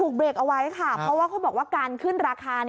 ถูกเบรกเอาไว้ค่ะเพราะว่าการขึ้นราคา